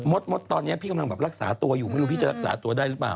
มดตอนนี้พี่กำลังแบบรักษาตัวอยู่ไม่รู้พี่จะรักษาตัวได้หรือเปล่า